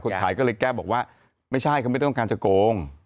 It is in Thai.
ขายก็เลยแก้บอกว่าไม่ใช่เขาไม่ต้องการจะโกง